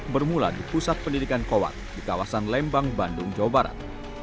bermula di pusat pendidikan kowat di kawasan lembang bandung jawa barat